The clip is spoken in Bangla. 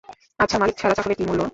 আচ্ছা, মালিক ছাড়া চাকরের কী মূল্য?